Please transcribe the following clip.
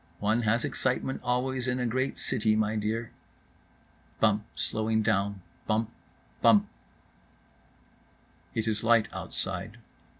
—"One has excitement always in a great city, my dear."— Bump, slowing down. BUMP—BUMP. It is light outside.